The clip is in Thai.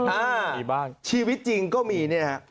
เออชีวิตจริงก็มีนี่ฮะ